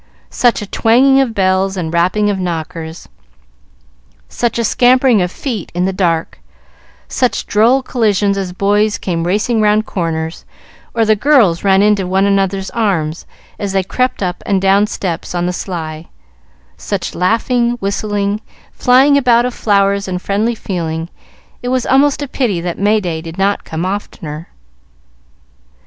Such a twanging of bells and rapping of knockers; such a scampering of feet in the dark; such droll collisions as boys came racing round corners, or girls ran into one another's arms as they crept up and down steps on the sly; such laughing, whistling, flying about of flowers and friendly feeling it was almost a pity that May day did not come oftener.